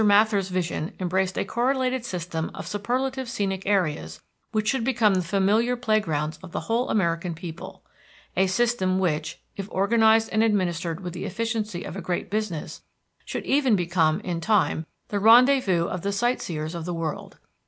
Mather's vision embraced a correlated system of superlative scenic areas which should become the familiar playgrounds of the whole American people, a system which, if organized and administered with the efficiency of a great business, should even become, in time, the rendezvous of the sightseers of the world.